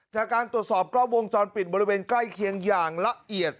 จากการตรวจสอบกล้องวงจรปิดบริเวณใกล้เคียงอย่างละเอียด